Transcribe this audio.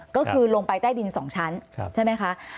ก็คือลงไปใต้ดิน๒ชั้นใช่ไหมคะ